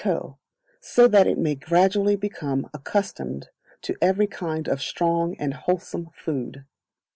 so that it may gradually become accustomed to every kind of strong and wholesome food.